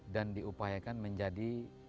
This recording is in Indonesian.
dan diupayakan menjadi